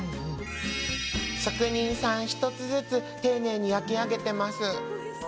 職人さん１つずつ丁寧に焼き上げてます。